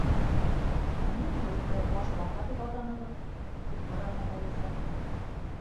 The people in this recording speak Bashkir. — Ә ниңә һеҙ уны Башбаҡа тип атанығыҙ? — тип һораны Әлисә.